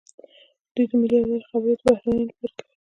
دوی د ملي یووالي خبرې د بهرنیانو لپاره کوي.